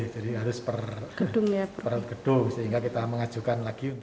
jadi harus per gedung sehingga kita mengajukan lagi untuk semua